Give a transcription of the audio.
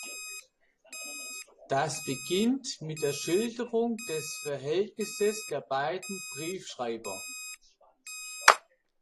Das beginnt mit der Schilderung des Verhältnisses der beiden Briefschreiber.